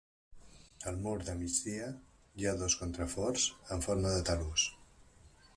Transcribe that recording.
Al mur de migdia hi ha dos contraforts en forma de talús.